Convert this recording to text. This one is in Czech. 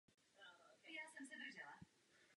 Zahrady obklopují vnitřní architektonické prvky.